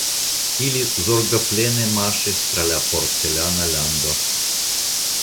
Ili zorgoplene marŝis tra la porcelana lando.